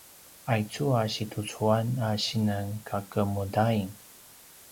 aicu a situcuan a sinan kakemudain